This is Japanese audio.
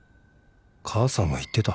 母さんが言ってた